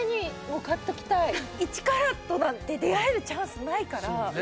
１カラットなんて出会えるチャンスないから。